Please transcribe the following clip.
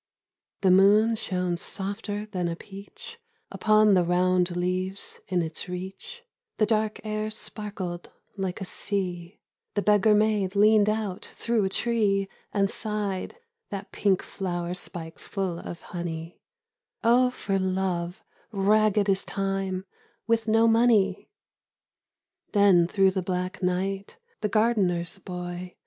The moon shone softer than a peach Upon the round leaves in its reach ; The dark air sparkled like a sea— The beggar maid leaned out through a tree And sighed (that pink flower spike full of honey), "Oh, for Love, ragged as Time, with no money !" Then through the black night the gardener's boy.